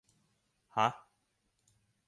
ห๊ะ ! ?